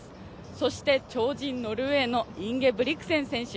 そして超人ノルウェーのインゲブリクセン選手。